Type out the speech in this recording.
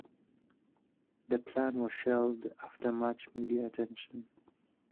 The plan was shelved after much media attention.